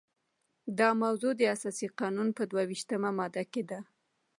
دا موضوع د اساسي قانون په دوه ویشتمه ماده کې ده.